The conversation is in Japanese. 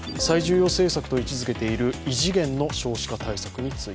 最重要政策と位置づける異次元の少子化対策。